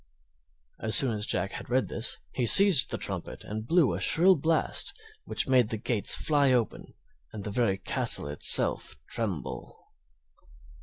As soon as Jack had read this he seized the trumpet and blew a shrill blast, which made the gates fly open and the very castle itself tremble.